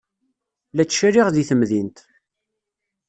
La ttcaliɣ deg temdint.